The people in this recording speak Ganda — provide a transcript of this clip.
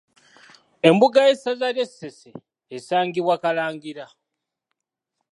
Embuga y'essaza ly’e Ssese esangibwa Kalangira.